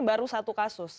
baru satu kasus